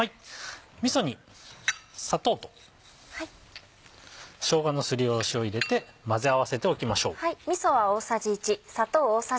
みそに砂糖としょうがのすりおろしを入れて混ぜ合わせておきましょう。